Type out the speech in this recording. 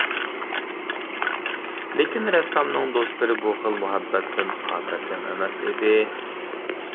لېكىن رەسسامنىڭ دوستلىرى بۇ خىل مۇھەببەتتىن خاتىرجەم ئەمەس ئىدى.